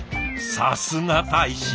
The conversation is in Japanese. さすが大使。